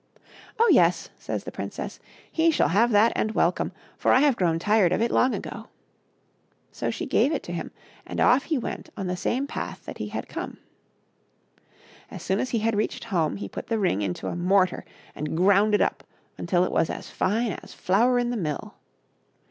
" Oh, yes !" says the princess, " he shall have that and welcome, for I have grown tired of it long ago." So she gave it to him,' and off he went on the same path that he had come. As soon as he had reached home, he put the ring into a mortar and ground it up until it was as fine as flour in the mill.